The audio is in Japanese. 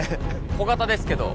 小型ですけど。